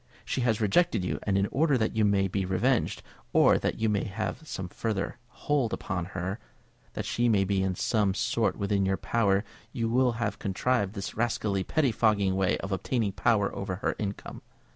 She has rejected you; and in order that you may be revenged, or that you may have some further hold upon her, that she may be in some sort within your power, you have contrived this rascally pettifogging way of obtaining power over her income.